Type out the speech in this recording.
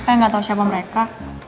kayak gak tau siapa mereka